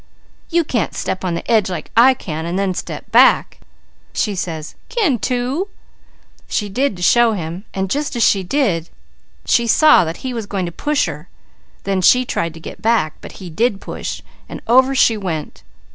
_ You can't step on the edge like I can and then step back!' She says: 'C'n too!' She did to show him, and just as she did she saw that he was going to push her, then she tried to get back, but he did push, and over she went!